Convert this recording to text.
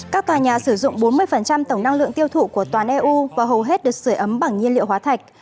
các tòa nhà sử dụng bốn mươi tổng năng lượng tiêu thụ của toàn eu và hầu hết được sửa ấm bằng nhiên liệu hóa thạch